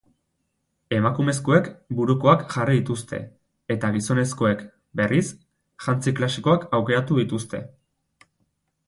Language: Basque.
Emakumezkoek burukoak jarri dituzte eta gizonezkoek, berriz, jantzi klasikoak aukeratu dituzte.